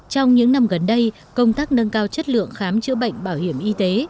trong những năm gần đây công tác nâng cao chất lượng khám chữa bệnh bảo hiểm y tế